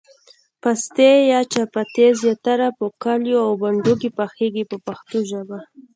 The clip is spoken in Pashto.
پاستي یا چپاتي زیاتره په کلیو او بانډو کې پخیږي په پښتو ژبه.